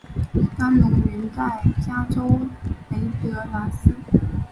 当奴云在加州雷德兰兹。